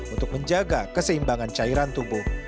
untuk menjaga keseimbangan cairan tubuh